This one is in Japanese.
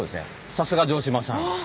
さすが城島さん。